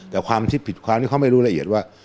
แต่ความคิดผิดความที่เขาไม่รู้ละเอียดว่า